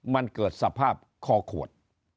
มันเกิดสภาพคอขวด